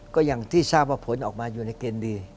ก็อย่างที่ทราบว่าผลออกมาอยู่ในเกณฑ์ดี